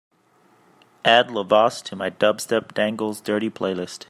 add la voce to my Dubstep Dangles Dirty playlist